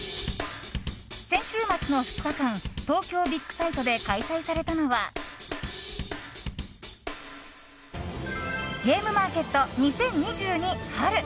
先週末の２日間東京ビッグサイトで開催されたのは「ゲームマーケット２０２２春」。